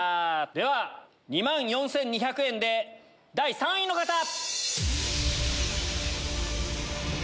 では２万４２００円で第３位の方！